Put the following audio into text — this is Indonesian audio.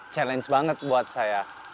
challenge banget buat saya